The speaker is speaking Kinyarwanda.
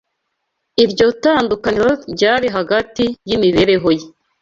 Iryo tandukaniro ryari hagati y’imibereho ye